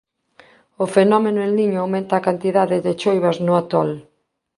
O fenómeno El Niño aumenta a cantidade de choivas no atol.